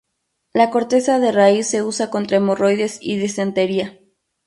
La corteza de raíz se usa contra hemorroides y disentería.